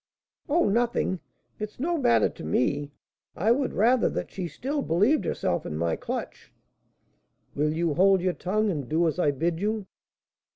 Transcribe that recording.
"Oh, nothing; it's no matter to me; I would rather that she still believed herself in my clutch " "Will you hold your tongue, and do as I bid you?"